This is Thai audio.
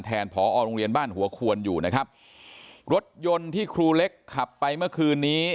ผอโรงเรียนบ้านหัวควรอยู่นะครับรถยนต์ที่ครูเล็กขับไปเมื่อคืนนี้